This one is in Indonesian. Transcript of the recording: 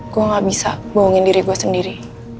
gue gak bisa bohongin diri gue sendiri